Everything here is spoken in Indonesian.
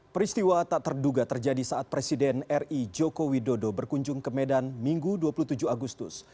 peristiwa tak terduga terjadi saat presiden ri joko widodo berkunjung ke medan minggu dua puluh tujuh agustus